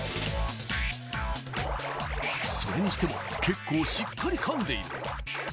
それにしても結構しっかり噛んでいる。